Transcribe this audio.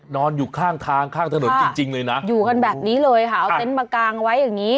นอนอยู่ข้างทางข้างถนนจริงจริงเลยนะอยู่กันแบบนี้เลยค่ะเอาเต็นต์มากางไว้อย่างนี้